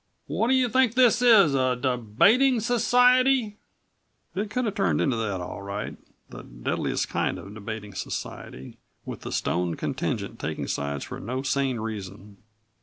What do you think this is, a debating society?" It could have turned into that, all right, the deadliest kind of debating society, with the stoned contingent taking sides for no sane reason.